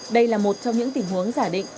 đây là một trong những tình huống giả định